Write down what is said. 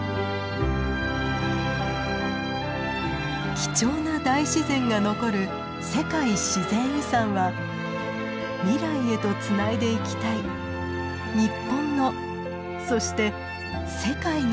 貴重な大自然が残る世界自然遺産は未来へとつないでいきたい日本のそして世界の大切な宝物です。